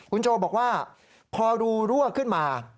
คุณโจบอกว่าพอรูรั่วขึ้นมา